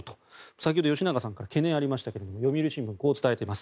先ほど吉永さんから懸念がありましたが読売新聞はこう伝えています。